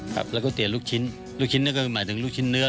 ครับแล้วก็เตี๋ยลูกชิ้นลูกชิ้นนี่ก็คือหมายถึงลูกชิ้นเนื้อ